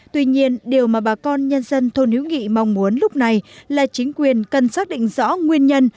tuy nhiên điều mà bà con nhân dân thôn hữu nghị mong muốn lúc này là chính quyền cần xác định rõ nguyên nhân